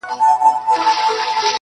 چي ناڅاپه مي ور وښودل غاښونه؛